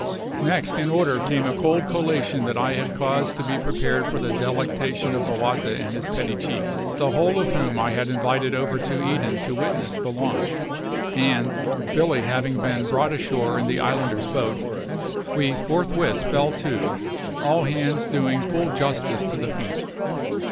Next in order came a "cold collation" that I had caused to be prepared for the delectation of Bowata and his petty chiefs, the whole of whom I had invited over to Eden to witness the launch, and Billy having been brought ashore in the islanders' boat we forthwith fell to, all hands doing full justice to the feast.